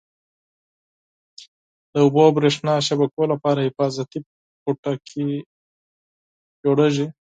د اوبو او بریښنا شبکو لپاره حفاظتي پوټکی جوړیږي.